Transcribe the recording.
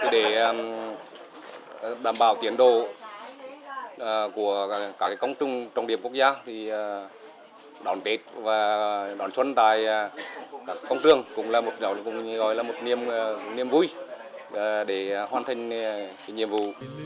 để đảm bảo tiến độ của các công trương trọng điểm quốc gia thì đón tết và đón xuân tại các công trương cũng là một niềm vui để hoàn thành nhiệm vụ